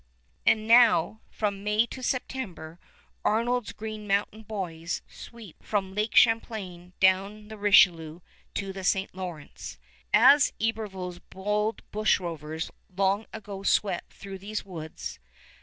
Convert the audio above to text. And now, from May to September, Arnold's Green Mountain boys sweep from Lake Champlain down the Richelieu to the St. Lawrence, as Iberville's bold bushrovers long ago swept through these woods.